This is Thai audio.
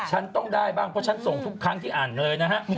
ฉันต้องได้บ้างเพราะฉันส่งทุกครั้งที่อ่านเลยนะฮะ